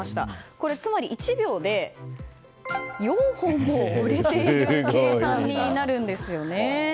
これ、つまり１秒で４本も売れている計算になるんですよね。